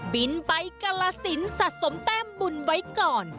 บินไปกาลสินสะสมแต้มบุญไว้ก่อน